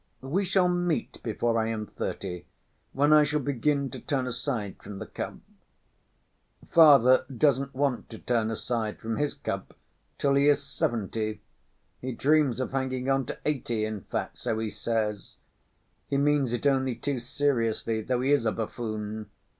We shall meet before I am thirty, when I shall begin to turn aside from the cup. Father doesn't want to turn aside from his cup till he is seventy, he dreams of hanging on to eighty in fact, so he says. He means it only too seriously, though he is a buffoon.